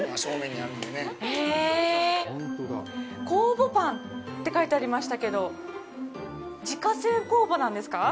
酵母パンって書いてありましたけど自家製酵母なんですか。